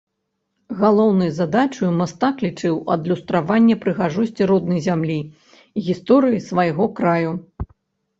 Галоўнай задачаю мастак лічыў адлюстраванне прыгажосці роднай зямлі, гісторыі свайго краю.